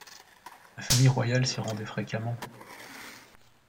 La famille royale s’y rendait fréquemment.